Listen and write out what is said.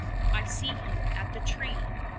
I see him at the tree !